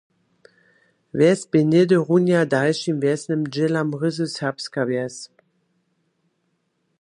Wjes bě něhdy runja dalšim wjesnym dźělam ryzy serbska wjes.